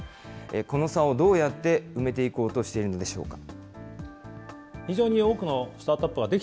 この差をどうやって埋めていこうとしているのでしょうか。